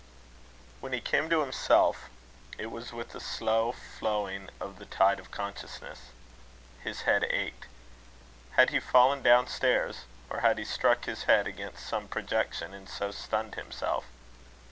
When he came to himself, it was with a slow flowing of the tide of consciousness. His head ached. Had he fallen down stairs? or had he struck his head against some projection, and so stunned himself?